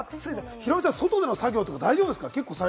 ヒロミさん、外での作業とか大丈夫ですか？